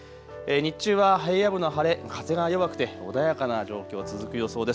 日中は平野部の晴れ、風が弱くて穏やかな状況、続く予想です。